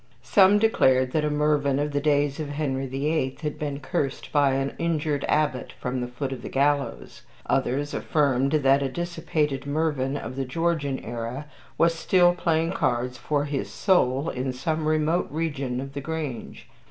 Some declared that a Mervyn of the days of Henry VIII had been cursed by an injured abbot from the foot of the gallows. Others affirmed that a dissipated Mervyn of the Georgian era was still playing cards for his soul in some remote region of the Grange.